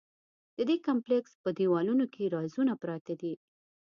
د دې کمپلېکس په دیوالونو کې رازونه پراته دي.